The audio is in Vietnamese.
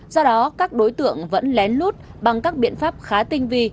do đó các đối tượng vẫn lén lút bằng các biện pháp khá tinh vi